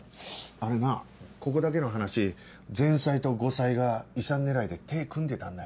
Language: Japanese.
あれなここだけの話前妻と後妻が遺産狙いで手組んでたんだよ。